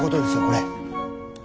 これ。